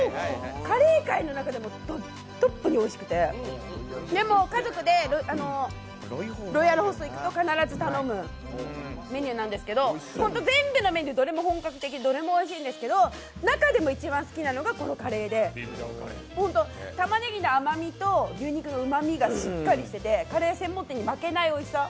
カレー界の中でもトップにおいしくて家族でロイヤルホスト行くと必ず頼むメニューなんですけど、全部のメニューどれも本格的どれもおいしいんですけど中でも一番好きなのがこのカレーで、たまねぎの甘味と牛肉のうまみがしっかりしててカレー専門店に負けないおいしさ。